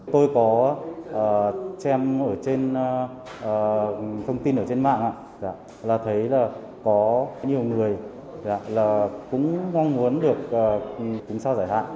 tôi có xem thông tin trên mạng thấy có nhiều người cũng mong muốn được tính sao giải hạn